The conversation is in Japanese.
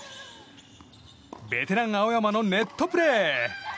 ベテラン青山のネットプレー！